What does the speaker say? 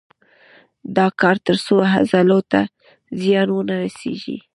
دا کار تر څو عضلو ته زیان ونه رسېږي.